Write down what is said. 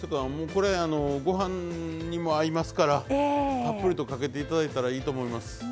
これご飯にも合いますからたっぷりとかけて頂いたらいいと思います。